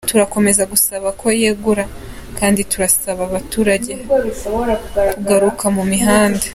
Turakomeza gusaba ko yegura kandi turasaba abaturage kugaruka mu mihanda.